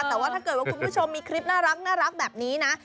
แต่ว่าถ้าเกิดว่าคุณผู้ชมมีคลิปน่ารักแบบนี้นะ